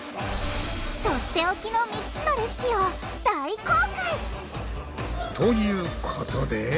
とっておきの３つのレシピを大公開！ということで。